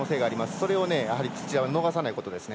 それを土田は逃さないことですね。